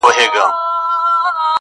o وږي ته ماښام ليري دئ.